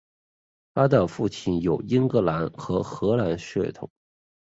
她的父亲有英格兰和荷兰血统。